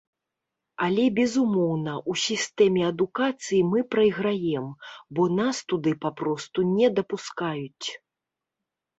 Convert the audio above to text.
Але, безумоўна, у сістэме адукацыі мы прайграем, бо нас туды папросту не дапускаюць.